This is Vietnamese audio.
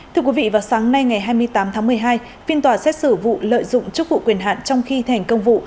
thưa quý vị vào sáng nay ngày hai mươi tám tháng một mươi hai phiên tòa xét xử vụ lợi dụng chức vụ quyền hạn trong khi thành công vụ